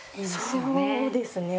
そうですね。